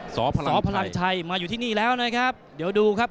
สพพลังชัยมาอยู่ที่นี่แล้วนะครับเดี๋ยวดูครับ